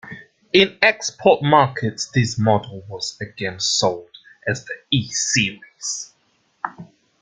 In export markets this model was again sold as the E-series.